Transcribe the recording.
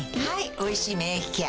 「おいしい免疫ケア」